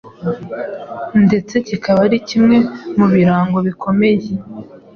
ndetse kikaba ari kimwe mu birango bikomeye